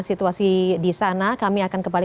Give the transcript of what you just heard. situasi disana kami akan kembali